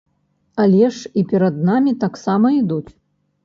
Але ж і перад намі таксама ідуць.